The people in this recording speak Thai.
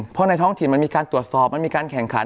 เพราะในท้องถิ่นมันมีการตรวจสอบมันมีการแข่งขัน